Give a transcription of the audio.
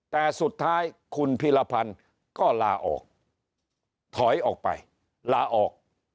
แต่สุดท้ายคุณพีรพันธ์ก็ลาออกถอยออกไปลาออก